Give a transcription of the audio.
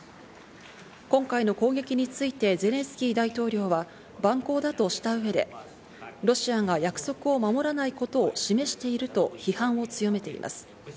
今回の攻撃についてゼレンスキー大統領は蛮行だとした上で、ロシアが約束を守らないことを示していると批判を強めています。